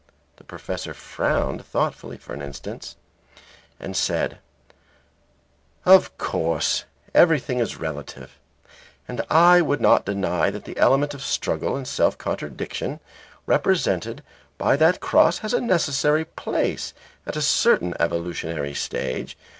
The Professor frowned thoughtfully for an instant, and said: "Of course everything is relative, and I would not deny that the element of struggle and self contradiction, represented by that cross, has a necessary place at a certain evolutionary stage.